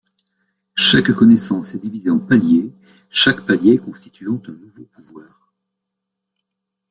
Chaque connaissance est divisée en paliers, chaque palier constituant un nouveau pouvoir.